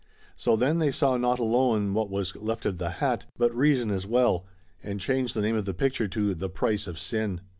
So then they saw not alone what was left of the hat, but reason as well, and changed the name of the picture to The Price of Sin.